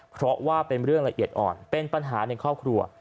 เพราะว่าเป็นเรื่องละเอียดอ่อนเป็นปัญหาในครอบครัว